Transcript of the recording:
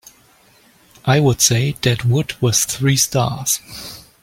I would say Dead Wood was three stars